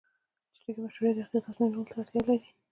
چټک مشورې دقیق تصمیم نیولو ته اړتیا لري.